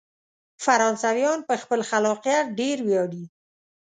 فرانسویان په خپل خلاقیت ډیر ویاړي.